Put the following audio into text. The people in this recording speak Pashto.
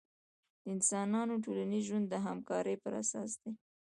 د انسانانو ټولنیز ژوند د همکارۍ پراساس دی.